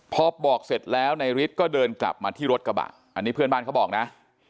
พอบอกเสร็จแล้วนายฤทธิ์ก็เดินกลับมาที่รถกระบะอันนี้เพื่อนบ้านเขาบอกนะ